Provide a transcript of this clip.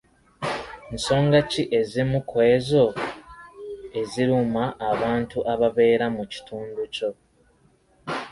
Nsonga ki ezimu ku ezo eziruma abantu ababeera mu kitundu kyo?